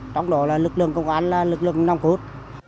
trong đó là lực lượng công an lực lượng nông cốt